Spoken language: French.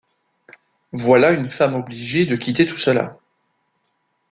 Voilà une femme obligée de quitter tout cela...